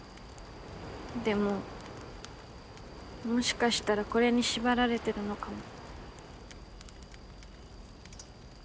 でももしかしたらこれに縛られてるのかも。